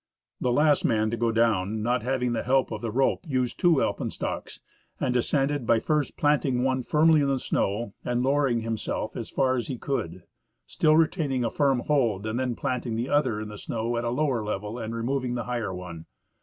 The last man to go down, not having the help of the rope, used two alpenstocks, and descended by first planting one firmly in the snow and lowering himself as far as he could, still retaining a firm hold, and then planting the other in the snow at a lower level and removing the higher one.